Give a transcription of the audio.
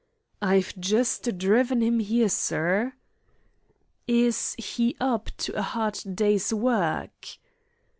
"I've just driven him here, sir." "Is he up to a hard day's work?"